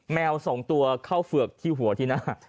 แมว๒ตัวเข้าเฝือกที่หัวที่หน้า